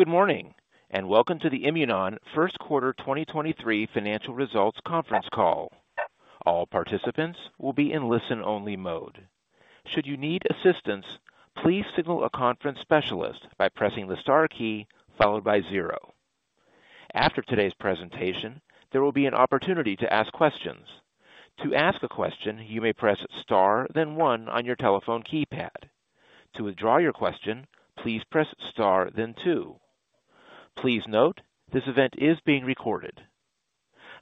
Good morning, welcome to the Imunon first quarter 2023 financial results conference call. All participants will be in listen-only mode. Should you need assistance, please signal a conference specialist by pressing the star key followed by zero. After today's presentation, there will be an opportunity to ask questions. To ask a question, you may press star then one on your telephone keypad. To withdraw your question, please press star then two. Please note, this event is being recorded.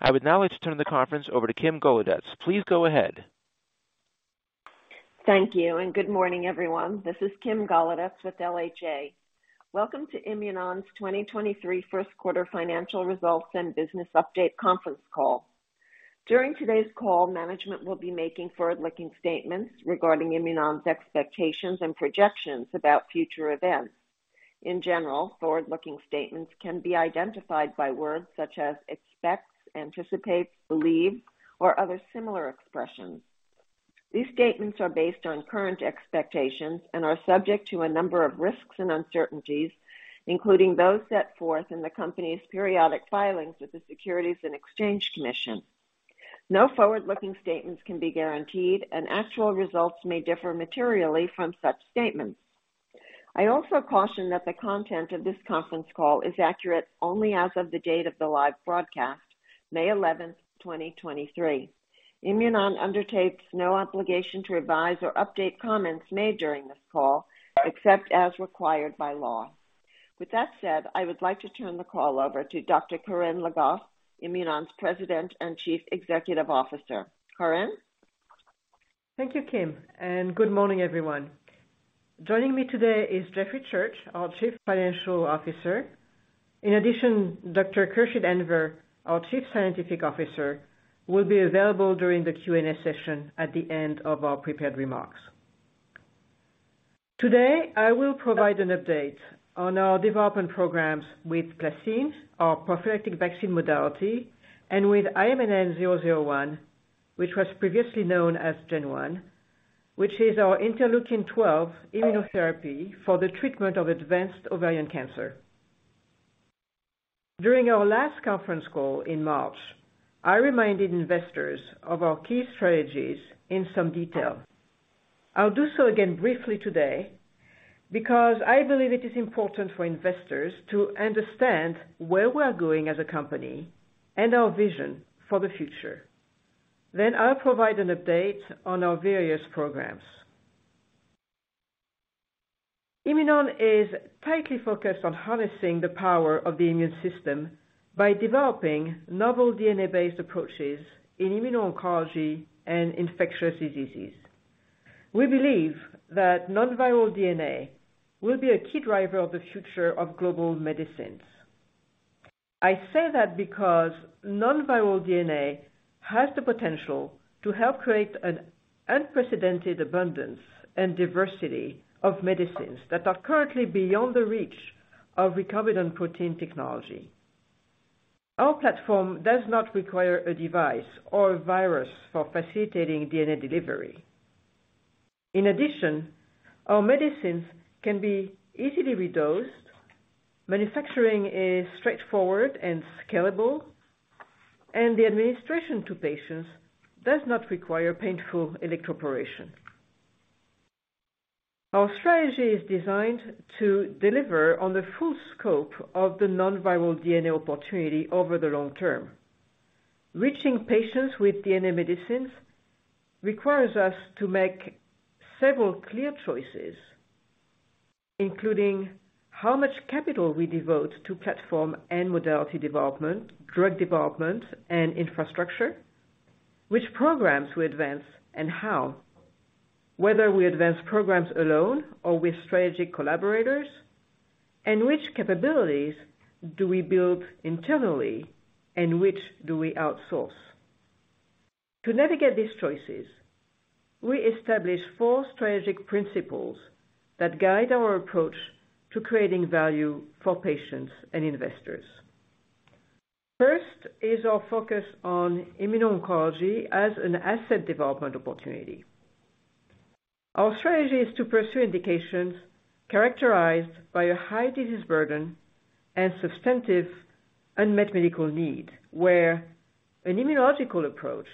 I would now like to turn the conference over to Kim Golodetz. Please go ahead. Thank you. Good morning, everyone. This is Kim Golodetz with LHA. Welcome to Imunon's 2023 first quarter financial results and business update conference call. During today's call, management will be making forward-looking statements regarding Imunon's expectations and projections about future events. In general, forward-looking statements can be identified by words such as expects, anticipates, believes, or other similar expressions. These statements are based on current expectations and are subject to a number of risks and uncertainties, including those set forth in the company's periodic filings with the Securities and Exchange Commission. No forward-looking statements can be guaranteed, and actual results may differ materially from such statements. I also caution that the content of this conference call is accurate only as of the date of the live broadcast, May 11, 2023. Imunon undertakes no obligation to revise or update comments made during this call except as required by law. With that said, I would like to turn the call over to Dr. Corinne Le Goff, Imunon's President and Chief Executive Officer. Corinne? Thank you, Kim, and good morning, everyone. Joining me today is Jeffrey Church, our Chief Financial Officer. Dr. Khursheed Anwer, our Chief Scientific Officer, will be available during the Q&A session at the end of our prepared remarks. Today, I will provide an update on our development programs with PlaCCine, our prophylactic vaccine modality, and with IMNN-001, which was previously known as GEN-1, which is our interleukin-12 immunotherapy for the treatment of advanced ovarian cancer. During our last conference call in March, I reminded investors of our key strategies in some detail. I'll do so again briefly today, because I believe it is important for investors to understand where we're going as a company and our vision for the future. I'll provide an update on our various programs. Imunon is tightly focused on harnessing the power of the immune system by developing novel DNA-based approaches in immuno-oncology and infectious diseases. We believe that non-viral DNA will be a key driver of the future of global medicines. I say that because non-viral DNA has the potential to help create an unprecedented abundance and diversity of medicines that are currently beyond the reach of recombinant protein technology. Our platform does not require a device or a virus for facilitating DNA delivery. In addition, our medicines can be easily redosed, manufacturing is straightforward and scalable, and the administration to patients does not require painful electroporation. Our strategy is designed to deliver on the full scope of the non-viral DNA opportunity over the long term. Reaching patients with DNA medicines requires us to make several clear choices, including how much capital we devote to platform and modality development, drug development and infrastructure, which programs we advance and how, whether we advance programs alone or with strategic collaborators, and which capabilities do we build internally and which do we outsource. To navigate these choices, we established four strategic principles that guide our approach to creating value for patients and investors. First is our focus on immuno-oncology as an asset development opportunity. Our strategy is to pursue indications characterized by a high disease burden and substantive unmet medical need, where an immunological approach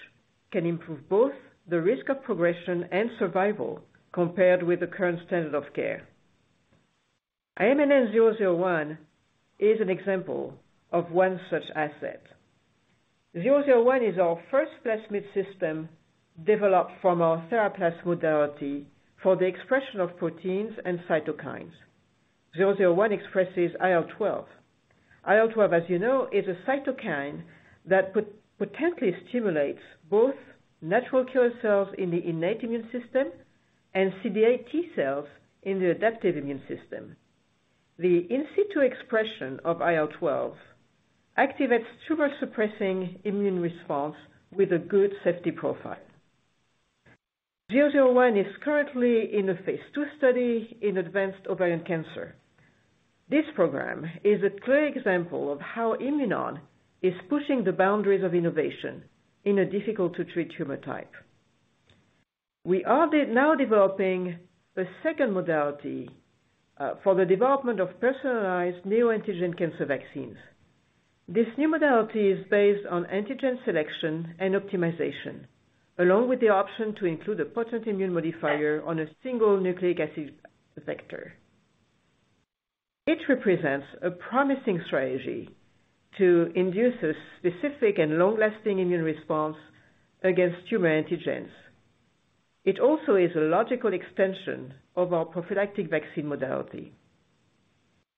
can improve both the risk of progression and survival compared with the current standard of care. IMNN-001 is an example of one such asset. 001 is our first plasmid system developed from our TheraPlas modality for the expression of proteins and cytokines. 001 expresses IL-12. IL-12, as you know, is a cytokine that potently stimulates both natural killer cells in the innate immune system and CD8+ T cells in the adaptive immune system. The in situ expression of IL-12 activates tumor-suppressing immune response with a good safety profile. 001 is currently in a phase II study in advanced ovarian cancer. This program is a clear example of how Imunon is pushing the boundaries of innovation in a difficult to treat tumor type. We are now developing a second modality for the development of personalized neoantigen cancer vaccines. This new modality is based on antigen selection and optimization, along with the option to include a potent immune modifier on a single nucleic acid vector. It represents a promising strategy to induce a specific and long-lasting immune response against tumor antigens. It also is a logical extension of our prophylactic vaccine modality.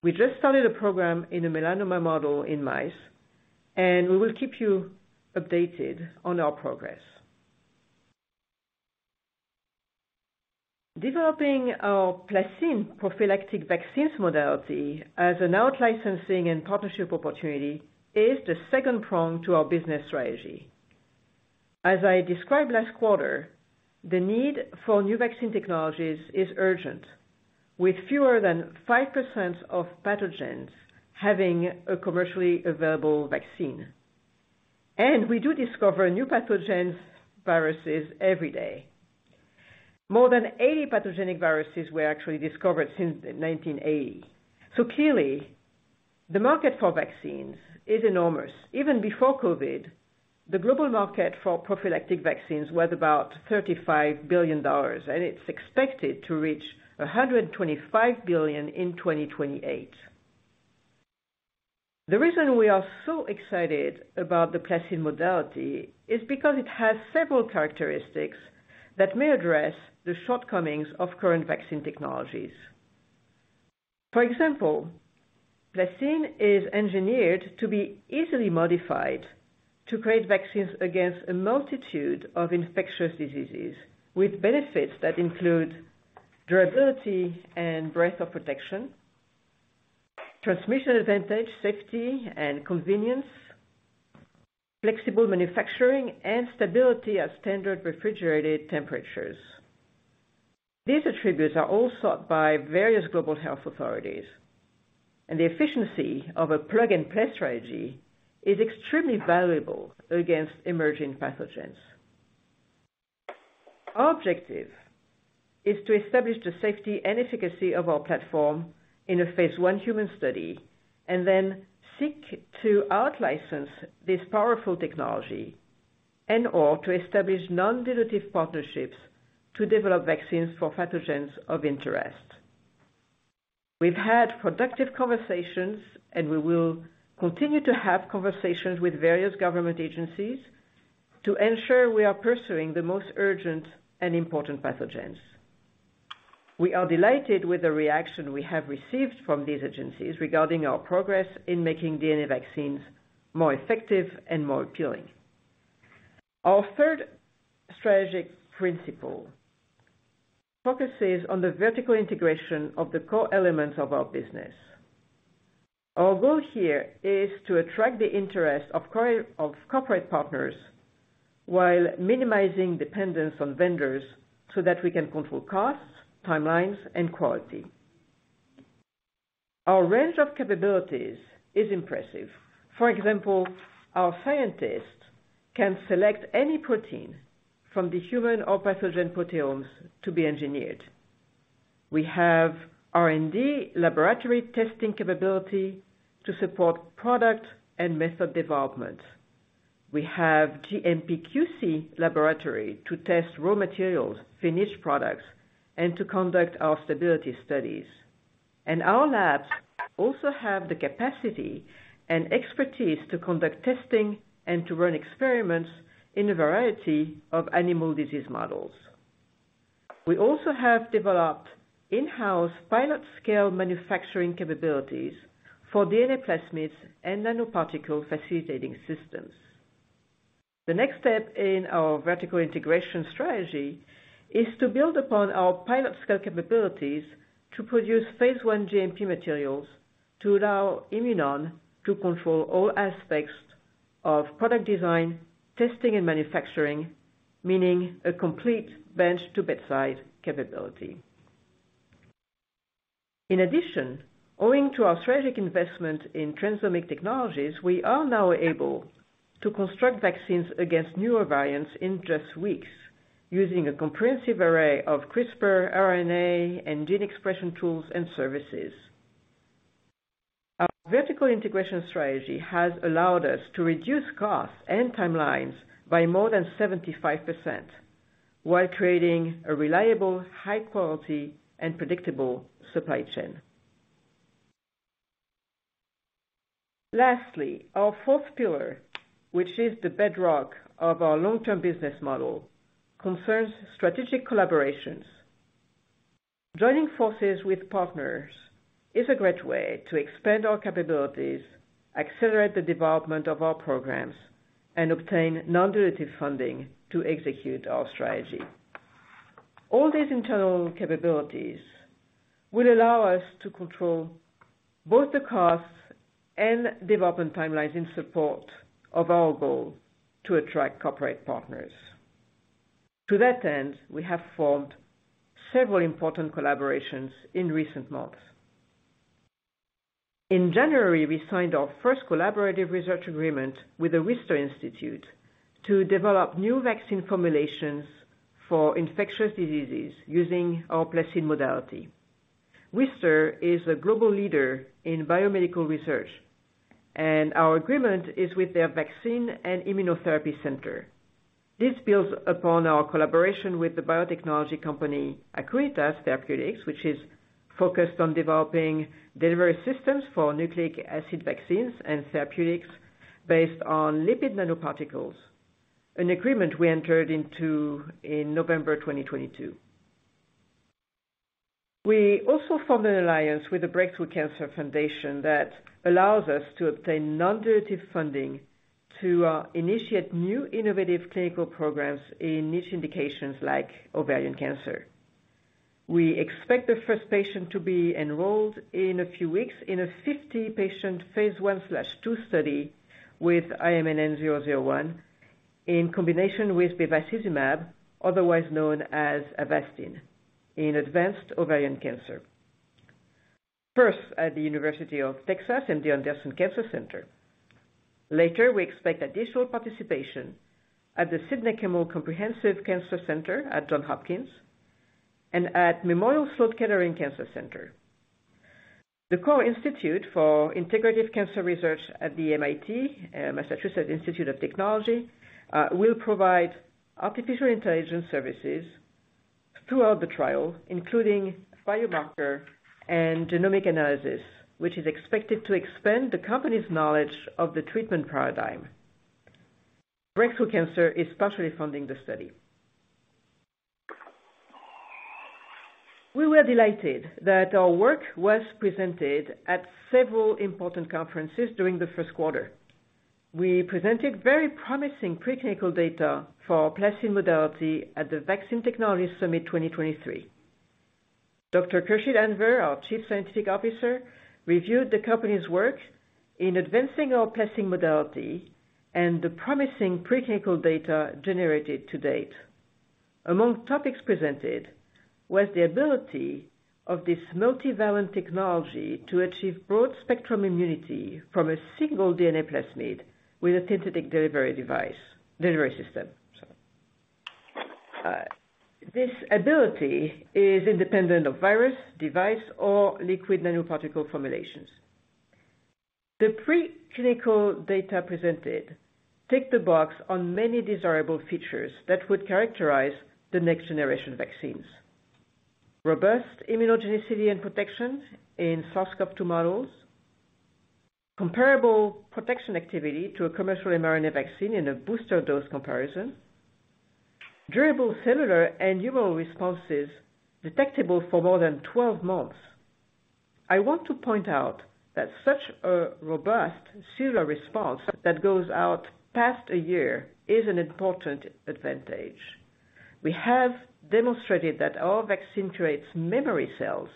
We just started a program in a melanoma model in mice, and we will keep you updated on our progress. Developing our PlaCCine prophylactic vaccines modality as an out-licensing and partnership opportunity is the second prong to our business strategy. As I described last quarter, the need for new vaccine technologies is urgent, with fewer than 5% of pathogens having a commercially available vaccine. We do discover new pathogens viruses every day. More than 80 pathogenic viruses were actually discovered since 1980. Clearly, the market for vaccines is enormous. Even before COVID, the global market for prophylactic vaccines was about $35 billion, and it's expected to reach $125 billion in 2028. The reason we are so excited about the PlaCCine modality is because it has several characteristics that may address the shortcomings of current vaccine technologies. For example, PlaCCine is engineered to be easily modified to create vaccines against a multitude of infectious diseases, with benefits that include durability and breadth of protection, transmission advantage, safety and convenience, flexible manufacturing, and stability at standard refrigerated temperatures. These attributes are all sought by various global health authorities. The efficiency of a plug-and-play strategy is extremely valuable against emerging pathogens. Our objective is to establish the safety and efficacy of our platform in a phase I human study, then seek to out-license this powerful technology and/or to establish non-dilutive partnerships to develop vaccines for pathogens of interest. We've had productive conversations, and we will continue to have conversations with various government agencies to ensure we are pursuing the most urgent and important pathogens. We are delighted with the reaction we have received from these agencies regarding our progress in making DNA vaccines more effective and more appealing. Our third strategic principle focuses on the vertical integration of the core elements of our business. Our goal here is to attract the interest of corporate partners while minimizing dependence on vendors so that we can control costs, timelines, and quality. Our range of capabilities is impressive. For example, our scientists can select any protein from the human or pathogen proteomes to be engineered. We have R&D laboratory testing capability to support product and method development. We have GMP QC laboratory to test raw materials, finished products, and to conduct our stability studies. Our labs also have the capacity and expertise to conduct testing and to run experiments in a variety of animal disease models. We also have developed in-house pilot-scale manufacturing capabilities for DNA plasmids and nanoparticle facilitating systems. The next step in our vertical integration strategy is to build upon our pilot 1 GMP materials to allow Imunon to control all aspects of product design, testing, and manufacturing, meaning a complete bench-to-bedside capability. In addition, owing to our strategic investment in Transomic Technologies, we are now able to construct vaccines against newer variants in just weeks using a comprehensive array of CRISPR, RNA, and gene expression tools and services. Our vertical integration strategy has allowed us to reduce costs and timelines by more than 75% while creating a reliable, high quality, and predictable supply chain. Lastly, our fourth pillar, which is the bedrock of our long-term business model, concerns strategic collaborations. Joining forces with partners is a great way to expand our capabilities, accelerate the development of our programs, and obtain non-dilutive funding to execute our strategy. All these internal capabilities will allow us to control both the costs and development timelines in support of our goal to attract corporate partners. To that end, we have formed several important collaborations in recent months. In January, we signed our first collaborative research agreement with The Wistar Institute to develop new vaccine formulations for infectious diseases using our PlaCCine modality. Wistar is a global leader in biomedical research. Our agreement is with their vaccine and immunotherapy center. This builds upon our collaboration with the biotechnology company, Acuitas Therapeutics, which is focused on developing delivery systems for nucleic acid vaccines and therapeutics based on Lipid nanoparticles, an agreement we entered into in November 2022. We also formed an alliance with the Breakthrough Cancer Foundation that allows us to obtain non-dilutive funding to initiate new innovative clinical programs in niche indications like ovarian cancer. We expect the first patient to be enrolled in a few weeks in a 50-patient phase I/II study with IMNN-001 in combination with bevacizumab, otherwise known as Avastin, in advanced ovarian cancer. First at The University of Texas and the Anderson Cancer Center. Later, we expect additional participation at the Sidney Kimmel Comprehensive Cancer Center at Johns Hopkins and at Memorial Sloan Kettering Cancer Center. The Koch Institute for Integrative Cancer Research at MIT, Massachusetts Institute of Technology, will provide artificial intelligence services throughout the trial, including biomarker and genomic analysis, which is expected to expand the company's knowledge of the treatment paradigm. Breakthrough Cancer is partially funding the study. We were delighted that our work was presented at several important conferences during the first quarter. We presented very promising preclinical data for our PlaCCine modality at the Vaccine Technology Summit 2023. Dr. Khursheed Anwer, our chief scientific officer, reviewed the company's work in advancing our PlaCCine modality and the promising preclinical data generated to date. Among topics presented was the ability of this multivalent technology to achieve broad-spectrum immunity from a single DNA plasmid with a synthetic delivery system, sorry. This ability is independent of virus, device, or lipid nanoparticle formulations. The pre-clinical data presented tick the box on many desirable features that would characterize the next-generation vaccines. Robust immunogenicity and protections in SARS-CoV-2 models. Comparable protection activity to a commercial mRNA vaccine in a booster dose comparison. Durable cellular and humoral responses detectable for more than 12 months. I want to point out that such a robust cellular response that goes out past a year is an important advantage. We have demonstrated that our vaccine creates memory cells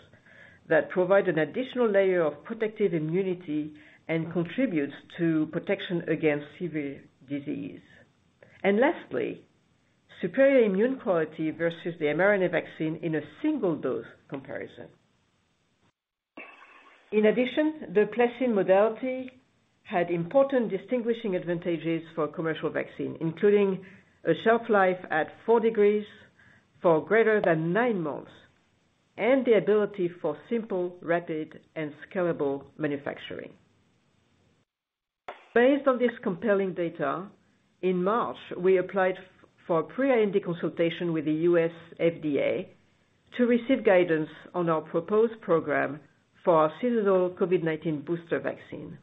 that provide an additional layer of protective immunity and contributes to protection against severe disease. Lastly, superior immune quality versus the mRNA vaccine in a single dose comparison. In addition, the PlaCCine modality had important distinguishing advantages for commercial vaccine, including a shelf life at 4 degrees for greater than nine months, and the ability for simple, rapid, and scalable manufacturing. Based on this compelling data, in March, we applied for pre-IND consultation with the U.S. FDA to receive guidance on our proposed program for our seasonal COVID-19 booster vaccine.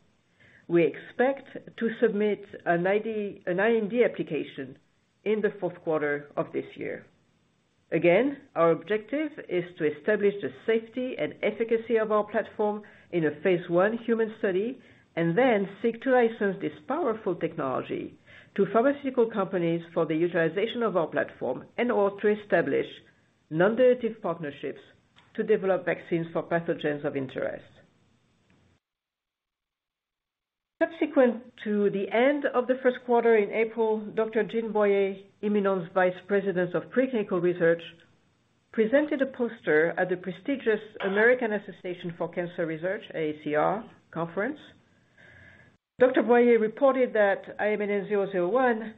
We expect to submit an IND application in the fourth quarter of this year. Our objective is to establish the safety and efficacy of our platform in a phase I human study, and then seek to license this powerful technology to pharmaceutical companies for the utilization of our platform and or to establish non-dilutive partnerships to develop vaccines for pathogens of interest. Subsequent to the end of the first quarter in April, Dr. Jean Boyer, Imunon's Vice President of Preclinical Research, presented a poster at the prestigious American Association for Cancer Research, AACR conference. Dr. Boyer reported that IMNN-001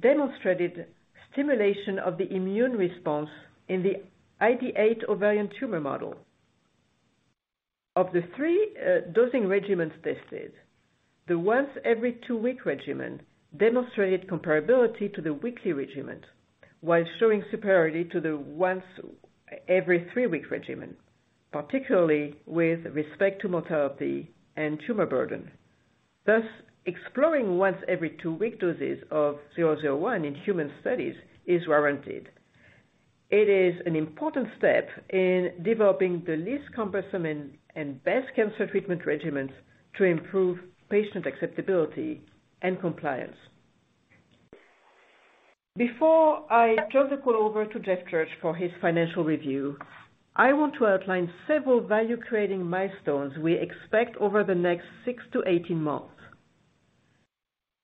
demonstrated stimulation of the immune response in the ID8 ovarian tumor model. Of the three dosing regimens tested, the once every two-week regimen demonstrated comparability to the weekly regimen, while showing superiority to the once every three-week regimen, particularly with respect to mortality and tumor burden. Thus, exploring once every two-week doses of 001 in human studies is warranted. It is an important step in developing the least cumbersome and best cancer treatment regimens to improve patient acceptability and compliance. Before I turn the call over to Jeffrey Church for his financial review, I want to outline several value-creating milestones we expect over the next 6-18 months.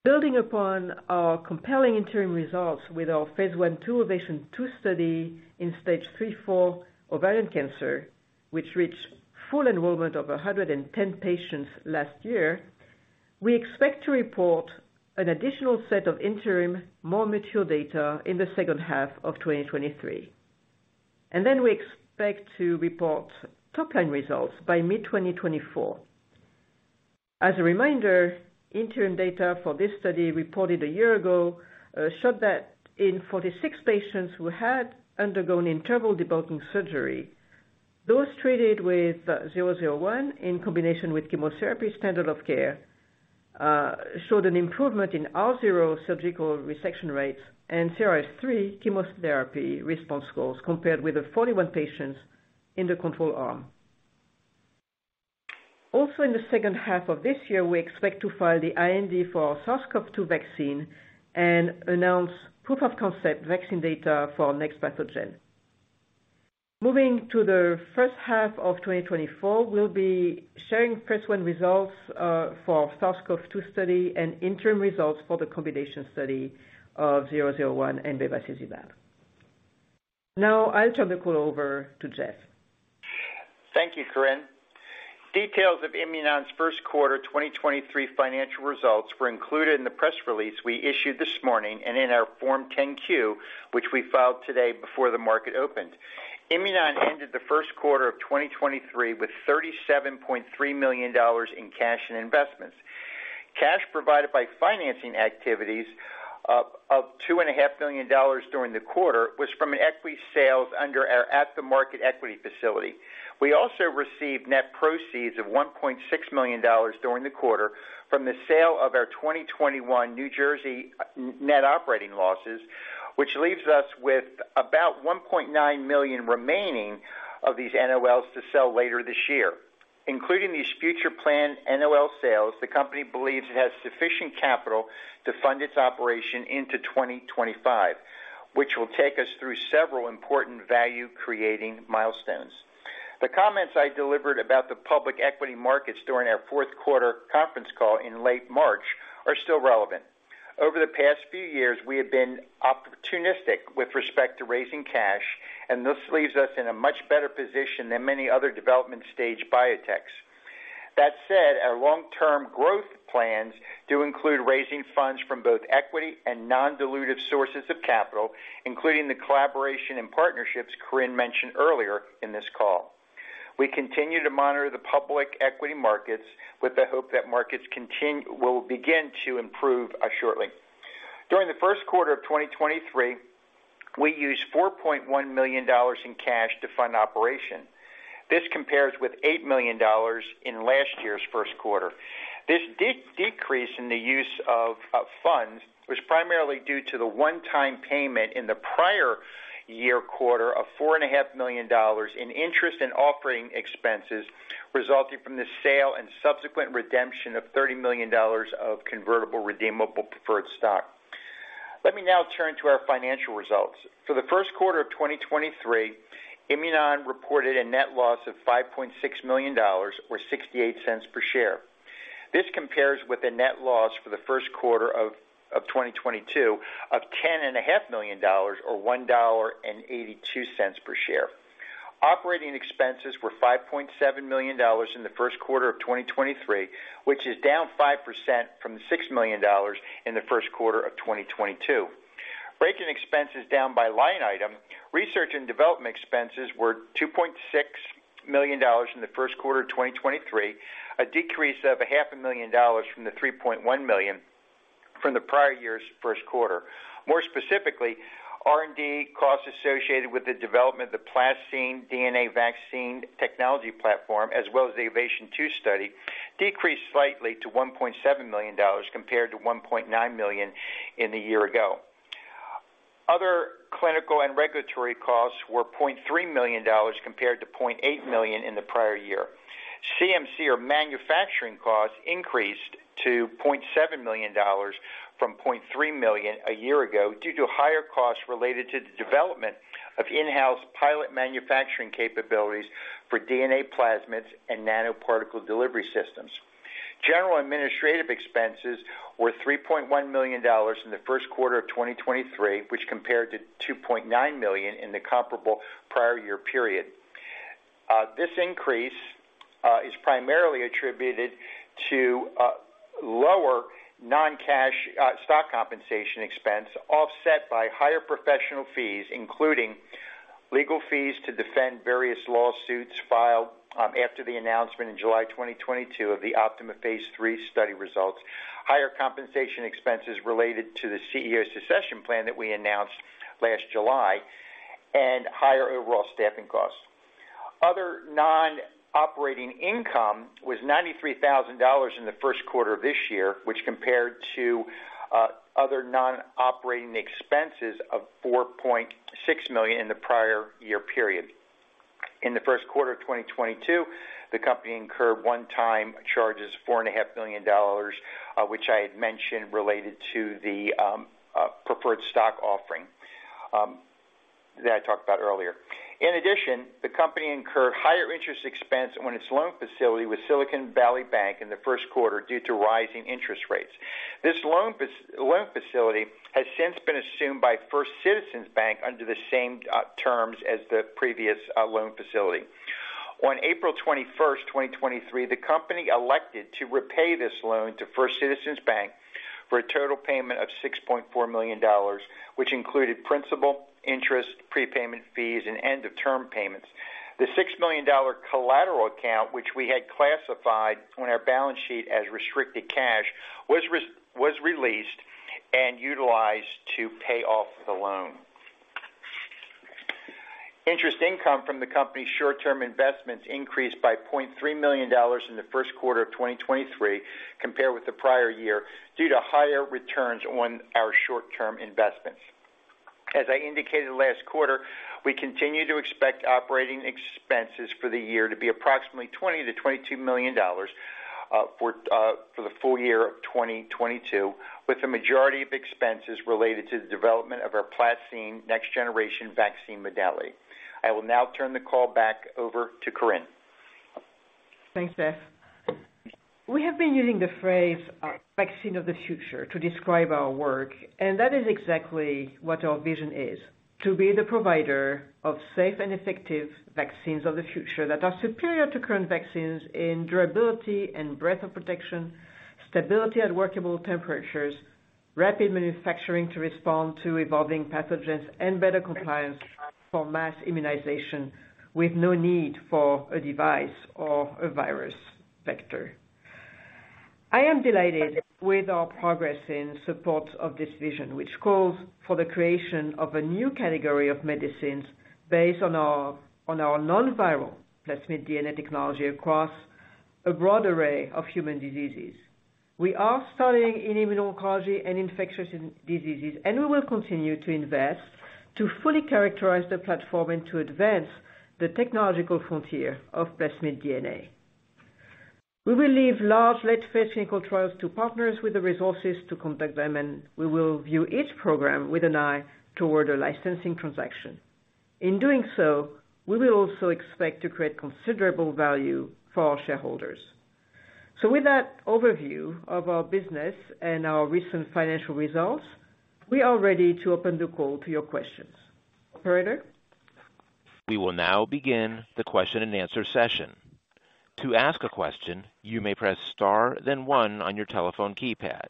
Building upon our compelling interim results with our phase I/II OVATION 2 study in Stage 3/4 ovarian cancer, which reached full enrollment of 110 patients last year, we expect to report an additional set of interim more mature data in the second half of 2023. We expect to report top-line results by mid-2024. As a reminder, interim data for this study reported a year ago showed that in 46 patients who had undergone interval debulking surgery, those treated with 001 in combination with chemotherapy standard of care showed an improvement in R0 surgical resection rates and CRS-3 chemotherapy response scores compared with the 41 patients in the control arm. In the second half of this year, we expect to file the IND for our SARS-CoV-2 vaccine and announce proof of concept vaccine data for our next pathogen. Moving to the first half of 2024, we'll be sharing phase I results for SARS-CoV-2 study and interim results for the combination study of 001 and bevacizumab. I'll turn the call over to Jeff. Thank you, Corinne. Details of Imunon's first quarter 2023 financial results were included in the press release we issued this morning and in our Form 10-Q, which we filed today before the market opened. Imunon ended the first quarter of 2023 with $37.3 million in cash and investments. Cash provided by financing activities of two and a half billion dollars during the quarter was from equity sales under our at-the-market equity facility. We also received net proceeds of $1.6 million during the quarter from the sale of our 2021 New Jersey net operating losses, which leaves us with about $1.9 million remaining of these NOLs to sell later this year. Including these future planned NOL sales, the company believes it has sufficient capital to fund its operation into 2025, which will take us through several important value-creating milestones. The comments I delivered about the public equity markets during our fourth quarter conference call in late March are still relevant. Over the past few years, we have been opportunistic with respect to raising cash, and this leaves us in a much better position than many other development stage biotechs. That said, our long-term growth plans do include raising funds from both equity and non-dilutive sources of capital, including the collaboration and partnerships Corinne mentioned earlier in this call. We continue to monitor the public equity markets with the hope that markets will begin to improve shortly. During the first quarter of 2023, we used $4.1 million in cash to fund operation. This compares with $8 million in last year's first quarter. This decrease in the use of funds was primarily due to the one-time payment in the prior year quarter of four and a half million dollars in interest and offering expenses resulting from the sale and subsequent redemption of $30 million of convertible redeemable preferred stock. Let me now turn to our financial results. For the first quarter of 2023, Imunon reported a net loss of $5.6 million or $0.68 per share. This compares with a net loss for the first quarter of 2022 of ten and a half million dollars or $1.82 per share. Operating expenses were $5.7 million in the first quarter of 2023, which is down 5% from $6 million in the first quarter of 2022. Breaking expenses down by line item, research and development expenses were $2.6 million in the first quarter of 2023, a decrease of a half a million dollars from the $3.1 million from the prior year's first quarter. More specifically, R&D costs associated with the development of the PlaCCine DNA vaccine technology platform, as well as the OVATION 2 study, decreased slightly to $1.7 million compared to $1.9 million in the year ago. Other clinical and regulatory costs were $0.3 million compared to $0.8 million in the prior year. CMC or manufacturing costs increased to $0.7 million from $0.3 million a year ago due to higher costs related to the development of in-house pilot manufacturing capabilities for DNA plasmids and nanoparticle delivery systems. General administrative expenses were $3.1 million in the first quarter of 2023, which compared to $2.9 million in the comparable prior year period. This increase is primarily attributed to lower non-cash stock compensation expense offset by higher professional fees, including legal fees to defend various lawsuits filed after the announcement in July 2022 of the Optima phase III study results, higher compensation expenses related to the CEO succession plan that we announced last July, and higher overall staffing costs. Other non-operating income was $93,000 in the first quarter of this year, which compared to other non-operating expenses of $4.6 million in the prior year period. In the first quarter of 2022, the company incurred one-time charges of four and a half million dollars, which I had mentioned related to the preferred stock offering. That I talked about earlier. In addition, the company incurred higher interest expense on its loan facility with Silicon Valley Bank in the first quarter due to rising interest rates. This loan facility has since been assumed by First Citizens Bank under the same terms as the previous loan facility. On April 21st, 2023, the company elected to repay this loan to First Citizens Bank for a total payment of $6.4 million, which included principal, interest, prepayment fees, and end of term payments. The $6 million collateral account, which we had classified on our balance sheet as restricted cash, was released and utilized to pay off the loan. Interest income from the company's short-term investments increased by $0.3 million in the first quarter of 2023 compared with the prior year, due to higher returns on our short-term investments. As I indicated last quarter, we continue to expect operating expenses for the year to be approximately $20 million-$22 million for the full year of 2022, with the majority of expenses related to the development of our PlaCCine next generation vaccine modality. I will now turn the call back over to Corinne. Thanks, Jeff. We have been using the phrase, vaccine of the future to describe our work. That is exactly what our vision is: to be the provider of safe and effective vaccines of the future that are superior to current vaccines in durability and breadth of protection, stability at workable temperatures, rapid manufacturing to respond to evolving pathogens, and better compliance for mass immunization with no need for a device or a virus vector. I am delighted with our progress in support of this vision, which calls for the creation of a new category of medicines based on our non-viral plasmid DNA technology across a broad array of human diseases. We are studying in immuno-oncology and infectious diseases. We will continue to invest to fully characterize the platform and to advance the technological frontier of plasmid DNA. We will leave large late-phase clinical trials to partners with the resources to conduct them. We will view each program with an eye toward a licensing transaction. In doing so, we will also expect to create considerable value for our shareholders. With that overview of our business and our recent financial results, we are ready to open the call to your questions. Operator? We will now begin the question-and-answer session. To ask a question, you may press star then one on your telephone keypad.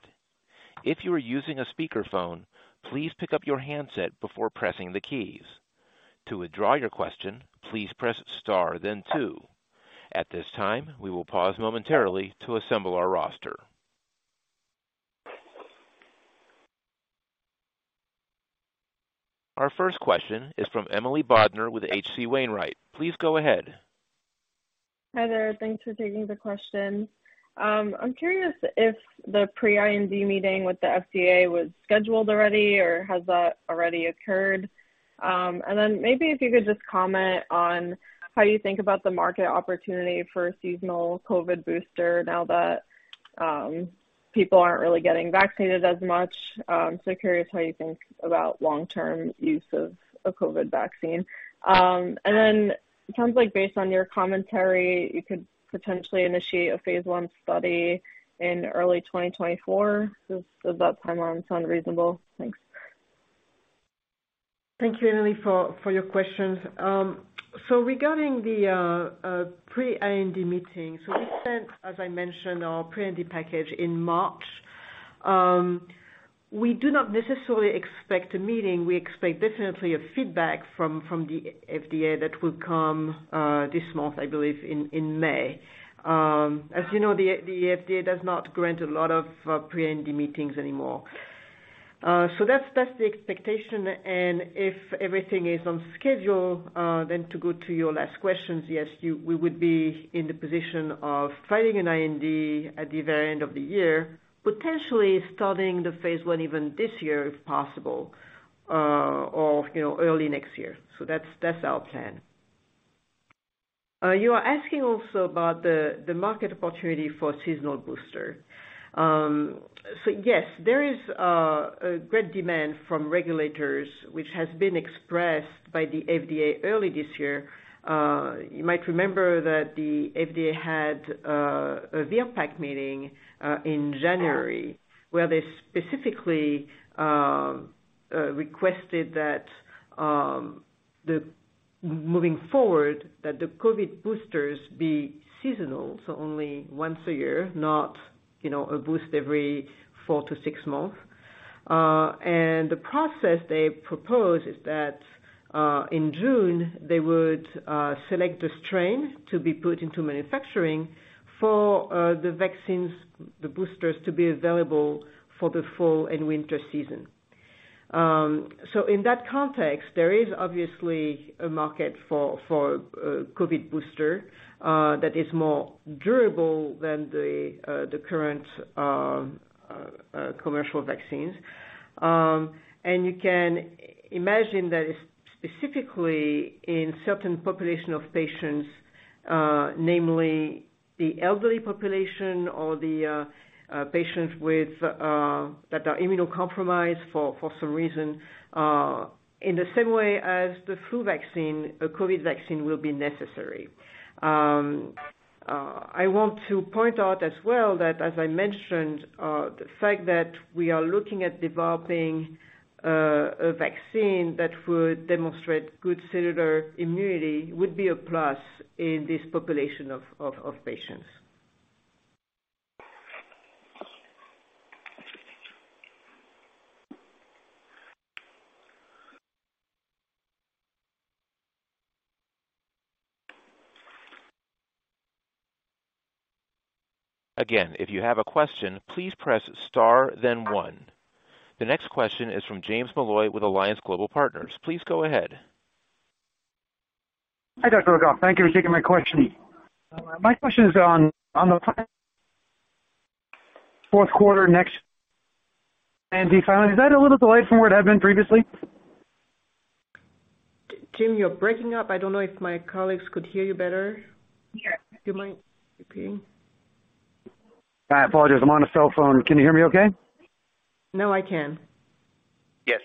If you are using a speakerphone, please pick up your handset before pressing the keys. To withdraw your question, please press star then two. At this time, we will pause momentarily to assemble our roster. Our first question is from Emily Bodnar with H.C. Wainwright. Please go ahead. Hi there. Thanks for taking the question. I'm curious if the pre-IND meeting with the FDA was scheduled already or has that already occurred? Maybe if you could just comment on how you think about the market opportunity for a seasonal COVID booster now that people aren't really getting vaccinated as much. Curious how you think about long-term use of a COVID vaccine. It sounds like based on your commentary, you could potentially initiate a phase I study in early 2024. Does that timeline sound reasonable? Thanks. Thank you, Emily, for your questions. Regarding the pre-IND meeting, we sent, as I mentioned, our pre-IND package in March. We do not necessarily expect a meeting. We expect definitely a feedback from the FDA that will come this month, I believe in May. As you know, the FDA does not grant a lot of pre-IND meetings anymore. That's the expectation. If everything is on schedule, then to go to your last questions, yes, we would be in the position of filing an IND at the very end of the year, potentially starting the phase I even this year if possible, or you know, early next year. That's our plan. You are asking also about the market opportunity for seasonal booster. Yes, there is a great demand from regulators, which has been expressed by the FDA early this year. You might remember that the FDA had a VRBPAC meeting in January, where they specifically requested that moving forward, that the COVID boosters be seasonal, so only once a year, not, you know, a boost every four to six months. The process they propose is that in June, they would select a strain to be put into manufacturing for the vaccines, the boosters to be available for the fall and winter season. In that context, there is obviously a market for a COVID booster that is more durable than the current commercial vaccines. You can imagine that it's specifically in certain population of patients, namely the elderly population or the patients with that are immunocompromised for some reason, in the same way as the flu vaccine, a COVID vaccine will be necessary. I want to point out as well that, as I mentioned, the fact that we are looking at developing a vaccine that would demonstrate good cellular immunity would be a plus in this population of patients. Again, if you have a question, please press star then one. The next question is from James Molloy with Alliance Global Partners. Please go ahead. Hi, Dr. Le Goff. Thank you for taking my question. My question is on the fourth quarter next and the filing. Is that a little delayed from where it had been previously? Jim, you're breaking up. I don't know if my colleagues could hear you better. Yes. Do you mind repeating? I apologize. I'm on a cell phone. Can you hear me okay? Now I can. Yes.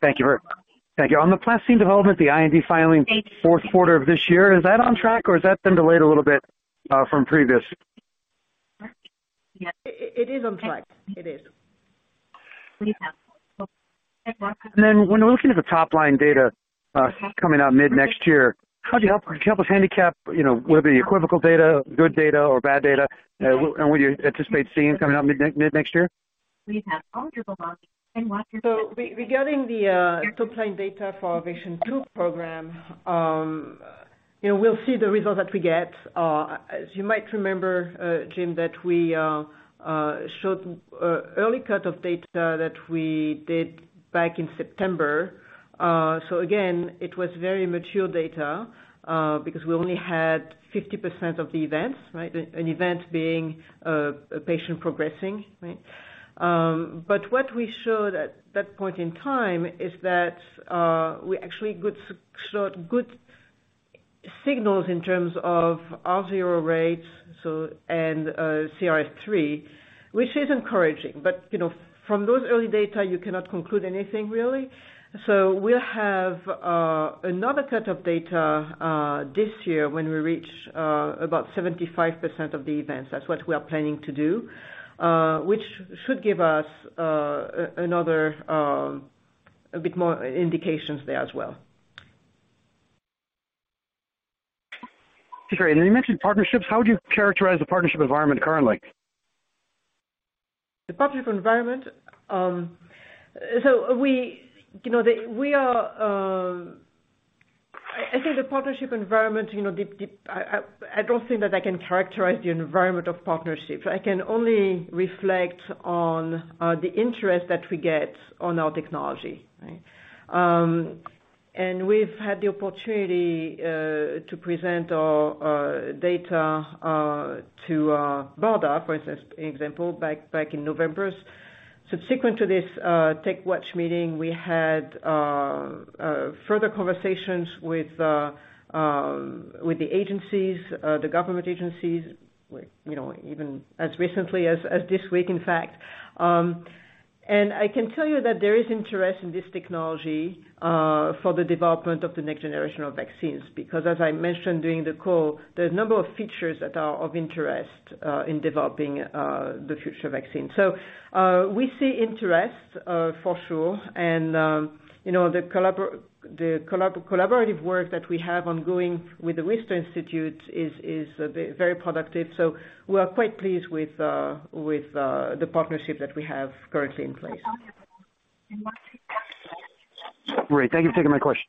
Thank you very much. Thank you. On the platform development, the IND filing fourth quarter of this year, is that on track or has that been delayed a little bit from previous? It is on track. It is. When we're looking at the top-line data, coming out mid-next year, could you help us handicap, you know, whether the equivocal data, good data or bad data, what do you anticipate seeing coming out mid-next year? Regarding the top-line data for our OVATION 2 program, you know, we'll see the results that we get. As you might remember, Jim, that we showed early cut of data that we did back in September. Again, it was very mature data because we only had 50% of the events, right? An event being a patient progressing, right? What we showed at that point in time is that we actually showed good signals in terms of R0 rates and CRS-3, which is encouraging. You know, from those early data, you cannot conclude anything really. We'll have another set of data this year when we reach about 75% of the events. That's what we are planning to do, which should give us another a bit more indications there as well. Great. You mentioned partnerships. How would you characterize the partnership environment currently? The partnership environment? We, you know, the... We are... I think the partnership environment, you know, I don't think that I can characterize the environment of partnerships. I can only reflect on the interest that we get on our technology, right? We've had the opportunity to present our data to BARDA, for instance, example, back in November. Subsequent to this TechWatch meeting, we had further conversations with the agencies, the government agencies, like, you know, even as recently as this week, in fact. I can tell you that there is interest in this technology for the development of the next generation of vaccines, because as I mentioned during the call, there are a number of features that are of interest in developing the future vaccine. We see interest for sure. You know, the collaborative work that we have ongoing with The Wistar Institute is very productive. We are quite pleased with the partnership that we have currently in place. Great. Thank you for taking my question.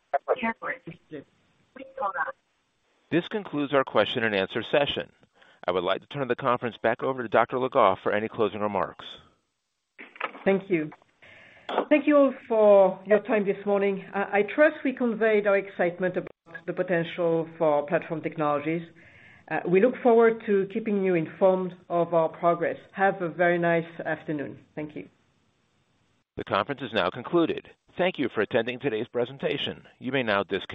This concludes our question and answer session. I would like to turn the conference back over to Dr. Le Goff for any closing remarks. Thank you. Thank you all for your time this morning. I trust we conveyed our excitement about the potential for platform technologies. We look forward to keeping you informed of our progress. Have a very nice afternoon. Thank you. The conference is now concluded. Thank you for attending today's presentation. You may now disconnect.